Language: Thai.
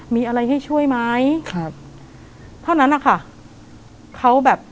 มีอะไรให้ช่วยไหมครับเท่านั้นนะคะเขาแบบ